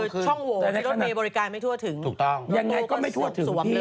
ก็คือช่องโหวที่รถเมล์บริการไม่ทั่วถึงรถตู้ก็สวมเลย